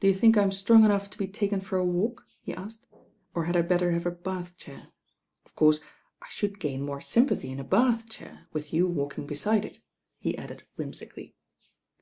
"Do you think I'm strong enough to be taken for a walk?" he asked, "or had I better have a bath chair? Of course, I should gain more sympathy in a bath chair, with you walking beside it," he added whimsically.